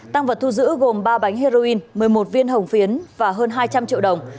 tăng vật thu giữ gồm ba bánh heroin một mươi một viên hồng phiến và hơn hai trăm linh triệu đồng